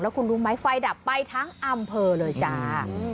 คุณรู้ไหมไฟดับไปทั้งอำเภอเลยจ้า